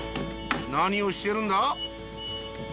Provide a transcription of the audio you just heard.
何をしてるんだ？